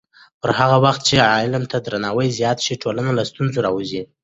پر هغه وخت چې علم ته درناوی زیات شي، ټولنه له ستونزو راووځي.